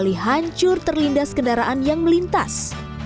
setelah dua kali hancur terlindas kendaraan yang melintas